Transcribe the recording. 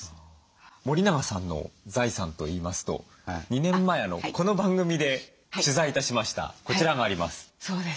森永さんの財産といいますと２年前この番組で取材致しましたこちらがあります。